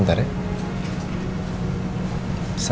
nanti aku mau makan